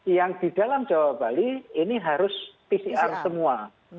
yang di dalam jawa bali ini harus pcr semua